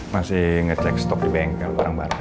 masih ngecek stok di bengkel barang barang